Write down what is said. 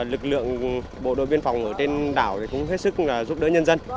lực lượng bộ đội biên phòng ở trên đảo cũng hết sức giúp đỡ nhân dân